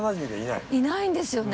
いないんですよね